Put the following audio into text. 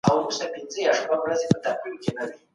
افغانانو د ایرانیانو کړنې په هر ګام څارلې دي.